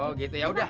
oh gitu yaudah